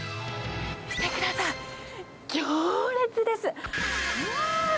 見てください、行列です。